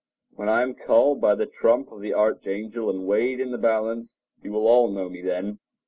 When I am called by the trump of the archangel and weighed in the balance, you will all know me then.